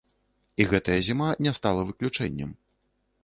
І гэтая зіма не стала выключэннем.